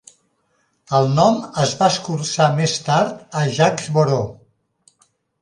El nom es va escurçar més tard a Jacksboro.